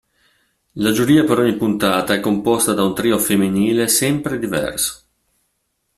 La giuria per ogni puntata è composta da un trio femminile sempre diverso.